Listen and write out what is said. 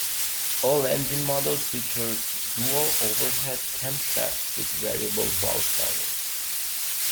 All engine models feature dual overhead camshafts with variable valve timing.